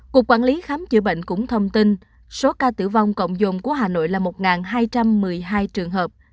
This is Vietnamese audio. cục quản lý khám chữa bệnh cũng thông tin số ca tử vong cộng dồn của hà nội là một hai trăm một mươi hai trường hợp